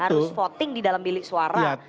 harus voting di dalam bilik suara